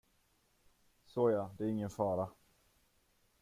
Så ja, det är ingen fara.